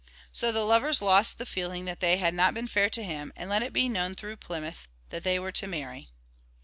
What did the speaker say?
So the lovers lost the feeling that they had not been fair to him, and let it be known through Plymouth that they were to marry.